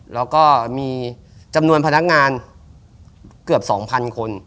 แล้วก็มีจำนวนพนักงานเกือบ๒๐๐๐คน